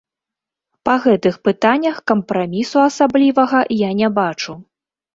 Па гэтых пытаннях кампрамісу асаблівага я не бачу.